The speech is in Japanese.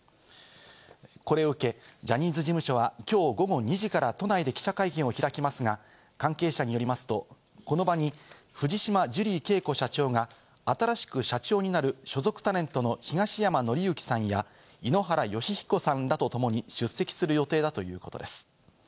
これを受け、ジャニーズ事務所はきょう午後２時から都内で記者会見を開きますが、関係者によりますと、この場に藤島ジュリー景子社長が新しく社長になる所属タレントの東山紀之さんや、井ノ原快彦さんらとともに、出席する予定だということです。